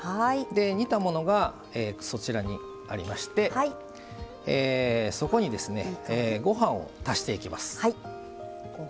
煮たものがありましてそこにご飯を足していきます。